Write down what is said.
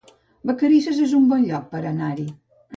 Vacarisses es un bon lloc per anar-hi